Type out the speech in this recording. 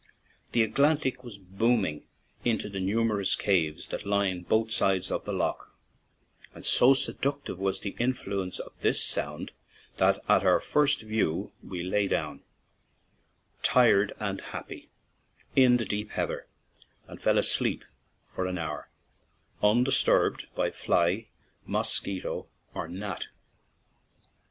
The Atlantic was booming into the numerous caves that line both sides of the lough, and so seductive was the influence of this sound that at our first view we lay down, tired and happy, in the deep heather, and fell asleep for an hour, undisturbed by fly, mosquito, or gnat.